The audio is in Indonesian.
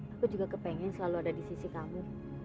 aku juga kepengen selalu ada di sisi kamu